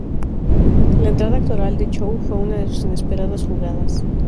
La entrada actoral de Chou fue una de sus inesperadas jugadas.